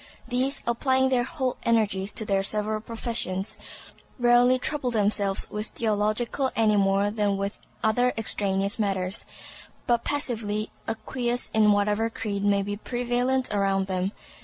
These, applying their whole energies to their several professions, rarely trouble themselves with theological any more than with other extraneous matters, but passively acquiesce in whatever creed may be prevalent around them.